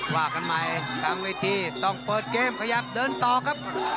ว่ากันใหม่ตามเวทีต้องเปิดเกมขยับเดินต่อครับ